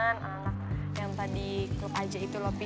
anak anak yang tadi klub aja itu loh fi